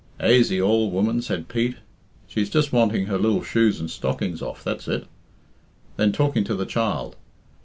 "Aisy all, woman," said Pete. "She's just wanting her lil shoes and stockings off, that's it." Then talking to the child.